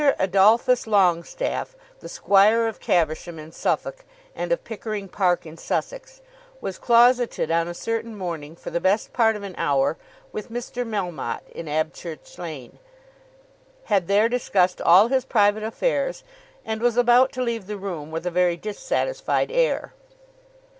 Adolphus Longestaffe, the squire of Caversham in Suffolk, and of Pickering Park in Sussex, was closeted on a certain morning for the best part of an hour with Mr. Melmotte in Abchurch Lane, had there discussed all his private affairs, and was about to leave the room with a very dissatisfied air.